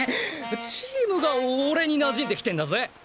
チームが俺になじんできてんだぜ。